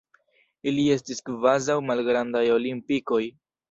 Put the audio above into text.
Ili estis kvazaŭ malgrandaj olimpikoj.